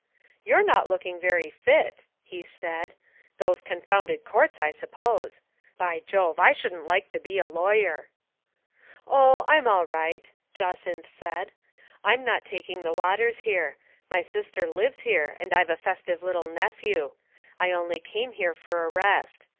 " You're not looking very fit," he said. " Those confounded courts, I suppose. By Jove! I shouldn't like to be a lawyer." " Oh, I'm all right," Jacynth said ;" I'm not taking the waters here. My sister lives here, and I've a festive little nephew. I only came here for a rest.